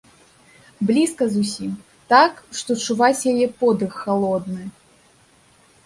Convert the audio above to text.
Блізка зусім, так, што чуваць яе подых халодны.